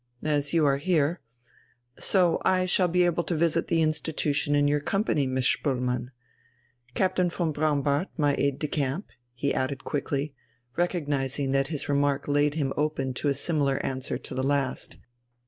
As you are here.... So I shall be able to visit the institution in your company, Miss Spoelmann.... Captain von Braunbart, my aide de camp ..." he added quickly, recognizing that his remark laid him open to a similar answer to the last.